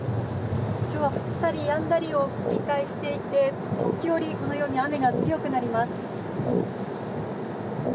今日は降ったりやんだりを繰り返していて時折、このように雨が強くなります。